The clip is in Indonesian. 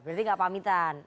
berarti enggak pamitan